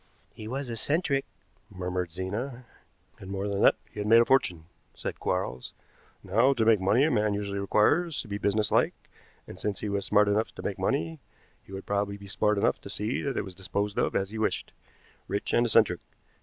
"He was eccentric," murmured Zena. "And more than that he had made a fortune," said Quarles. "Now, to make money a man usually requires to be business like; and since he was smart enough to make money, he would probably be smart enough to see that it was disposed of as he wished. Rich and eccentric.